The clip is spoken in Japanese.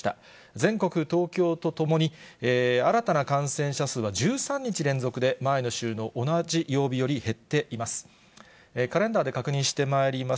全国、東京ともに新たな感染者数は１３日連続で前の週の同じ曜日より減っています。